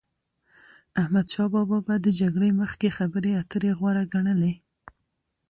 احمدشا بابا به د جګړی مخکي خبري اتري غوره ګڼلې.